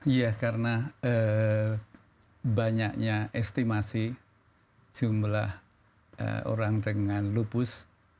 iya karena banyaknya estimasi jumlah orang dengan lupus